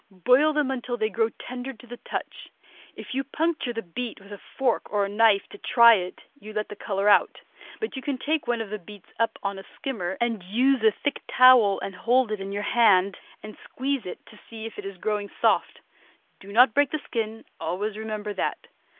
Boil them until they grow tender to the touch. If you puncture the beet with a fork or knife, to try it, you let the color out, but you can take one of the beets up on a skimmer and use a thick towel and hold it in your hand and squeeze it to see if it is growing soft. Do not break the skin, always remember that.